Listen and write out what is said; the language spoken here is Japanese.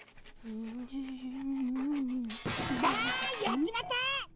やっちまった！